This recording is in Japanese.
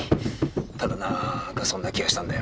ただなんかそんな気がしたんだよ。